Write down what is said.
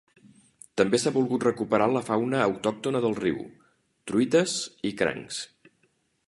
També s'ha volgut recuperar la fauna autòctona del riu: truites i crancs.